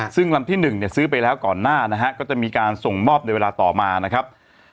ซึ่งลำที่๑เนี่ยซื้อไปแล้วก่อนหน้านะฮะก็จะมีการส่งมอบในเวลาต่อมานะครับ